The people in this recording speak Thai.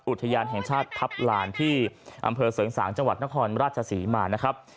อุทยานแห่งชาติทัพลานที่อำเภอเสริงสางจังหวัดนครราชศรีมานะครับ